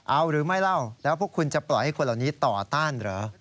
เอาหรือไม่เล่าแล้วพวกคุณจะปล่อยให้คนเหล่านี้ต่อต้านเหรอ